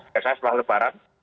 biasanya setelah lebaran